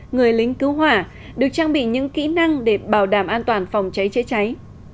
người lính cứu hỏa được trang bị những kỹ năng để bảo đảm an toàn phòng cháy chữa cháy